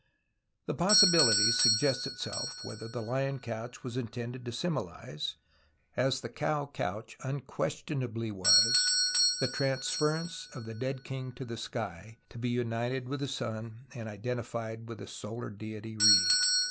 The possibility suofffests itself whether the lion couch was intended to symbolize, as the cow couch unquestionably was, the transference of the dead king to the sky to be united with the sun and identified with the solar deity Re.